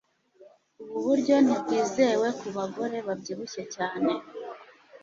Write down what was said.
ubu buryo ntibwizewe ku bagore babyibushye cyane